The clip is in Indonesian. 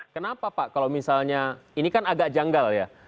kenapa pak kalau misalnya ini kan agak janggal ya